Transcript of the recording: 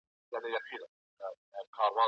بدبختي د بل قوم یا ملت پر غاړه اچوي، چي دا یوه